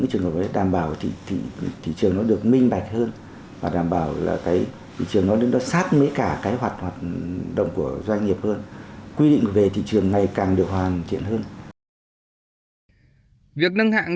với việc thị trường vốn được nâng hạng các doanh nghiệp sẽ có nhiều cơ hội hơn để tiếp cận dòng vốn đầu tư